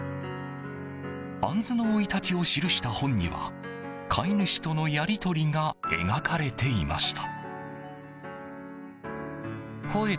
アンズの生い立ちを記した本には飼い主とのやり取りが描かれていました。